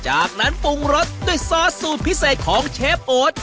จากนั้นปรุงรสด้วยซอสสูตรพิเศษของเชฟโอ๊ต